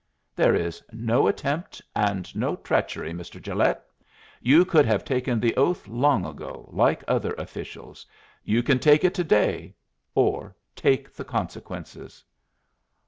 "There is no attempt and no treachery, Mr. Gilet. You could have taken the oath long ago, like other officials. You can take it to day or take the consequences."